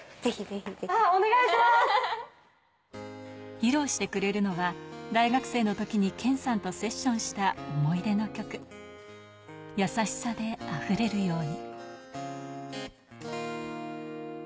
披露してくれるのは大学生のときに謙さんとセッションした思い出の曲、『やさしさで溢れるように』。